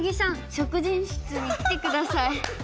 職員室に来てください。